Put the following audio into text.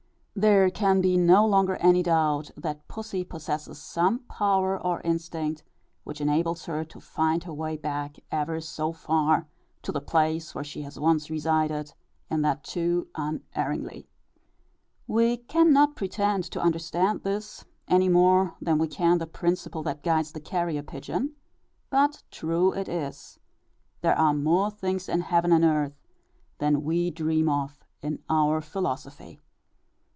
There can be no longer any doubt, that pussy possesses some power or instinct which enables her to find her way back, ever so far, to the place where she has once resided, and that too unerringly. We cannot pretend to understand this, any more than we can the principle that guides the carrier pigeon; but true it is, "there are more things in heaven and earth than we dream of in our philosophy."